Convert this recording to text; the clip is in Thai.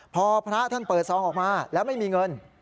พอพระท่านเปิดซองออกมาแล้วไม่มีเงิน